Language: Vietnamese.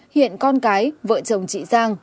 hiện con cái vợ chồng chị giang